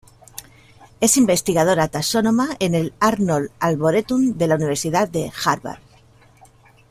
Es investigadora taxónoma en el "Arnold Arboretum", de la Universidad de Harvard.